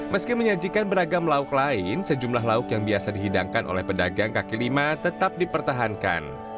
meski menyajikan beragam lauk lain sejumlah lauk yang biasa dihidangkan oleh pedagang kaki lima tetap dipertahankan